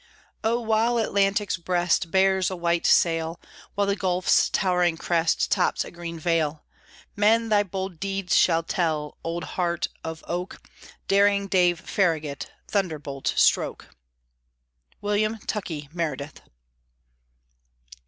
Oh! while Atlantic's breast Bears a white sail, While the Gulf's towering crest Tops a green vale, Men thy bold deeds shall tell, Old Heart of Oak, Daring Dave Farragut, Thunderbolt stroke! WILLIAM TUCKEY MEREDITH.